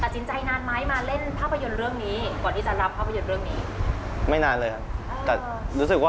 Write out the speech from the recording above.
ตัดสินใจนานไหมมาเล่นภาพยนตร์เรื่องนี้ก่อนที่จะรับภาพยนตร์เรื่องนี้